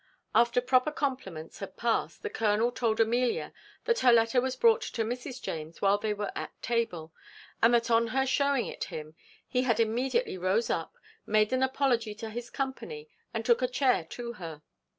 After proper compliments had past, the colonel told Amelia that her letter was brought to Mrs. James while they were at table, and that on her shewing it him he had immediately rose up, made an apology to his company, and took a chair to her.